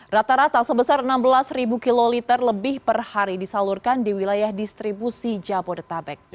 rata rata sebesar enam belas kiloliter lebih per hari disalurkan di wilayah distribusi jabodetabek